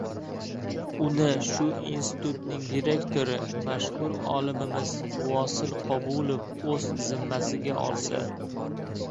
uni shu institutning direktori, mashhur olimimiz Vosil Qobulov o‘z zimmasiga olsa.